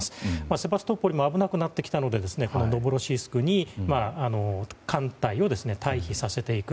セバストポリも危なくなってきたのでノブロシスクに艦隊を退避させていく。